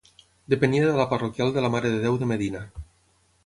Depenia de la parroquial de la Mare de Déu de Medina.